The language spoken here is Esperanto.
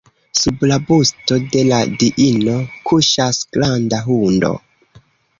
Sub la busto de la diino kuŝas granda hundo.